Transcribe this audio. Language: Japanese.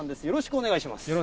よろしくお願いします。